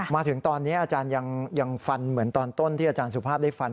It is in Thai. มาถึงตอนนี้อาจารย์ยังฟันเหมือนตอนต้นที่อาจารย์สุภาพได้ฟัน